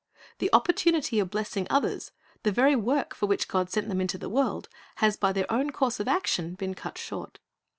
The opportunity of blessing others, the very work for which God sent them into the world, has by their own course of action been cut short.